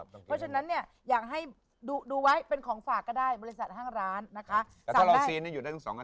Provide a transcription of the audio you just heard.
เพราะฉะนั้นเนี่ยอยากให้ดูไว้เป็นของฝากก็ได้บริษัทห้างร้านนะคะ